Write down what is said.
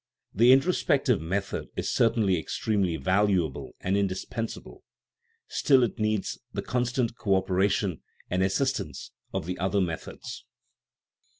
The introspective method is cer tainly extremely valuable and indispensable; still it needs the constant co operation and assistance of the other methods.